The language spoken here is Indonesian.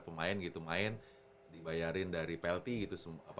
pemain gitu main dibayarin dari plt gitu